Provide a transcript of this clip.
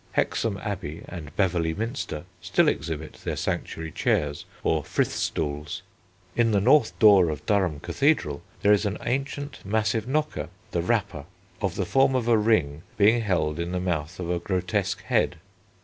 Hexham Abbey and Beverley Minster still exhibit their sanctuary chairs or frith stools. In the north door of Durham Cathedral there is an ancient, massive knocker, the rapper, of the form of a ring, being held in the mouth of a grotesque head.